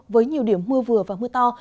với nhiều điểm mưa vừa và mưa to